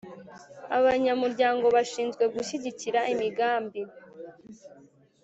Abanyamuryango bashinzwe gushyigikira imigambi.